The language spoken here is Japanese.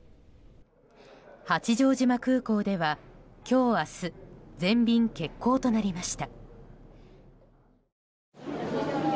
八丈島空港では今日明日全便欠航となりました。